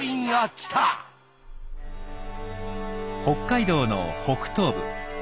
北海道の北東部。